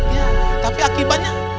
ya tapi akibatnya